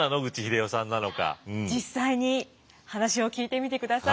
実際に話を聞いてみてください。